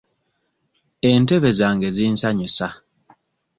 Entebe zange zinsanyusa.